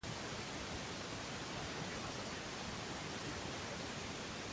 Oliver actuó como consultor en la película.